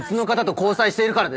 交際しているから。